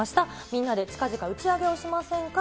みんなで近々打ち上げをしませんか？